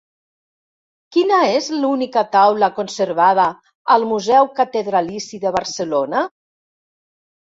Quina és l'única taula conservada al museu Catedralici de Barcelona?